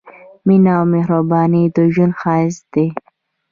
مينه او مهرباني د ژوند ښايست دی